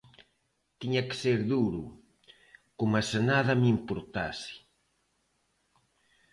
Tiña que ser duro, coma se nada me importase.